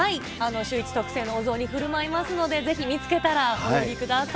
シューイチ特製のお雑煮ふるまいますので、ぜひ見つけたらお寄りください。